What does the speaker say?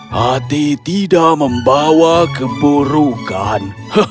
hati tidak membawa keburukan